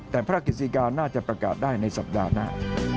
แต่พระราชิกาน่าจะประกาศได้ในสัปดาห์หน้า